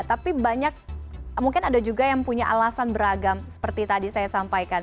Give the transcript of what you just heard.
tapi banyak mungkin ada juga yang punya alasan beragam seperti tadi saya sampaikan